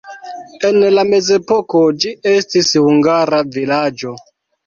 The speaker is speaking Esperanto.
En la mezepoko ĝi estis hungara vilaĝo.